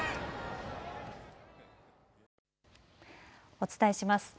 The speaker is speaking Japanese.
お伝えします。